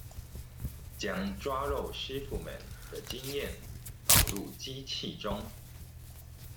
將抓漏師傅們的經驗導入機器中